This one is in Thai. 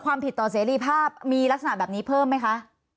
ความผิดต่อเสรีภาพมีลักษณะแบบนี้เพิ่มไหมคะ